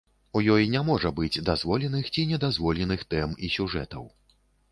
У ёй не можа быць дазволеных, ці не дазволеных тэм і сюжэтаў.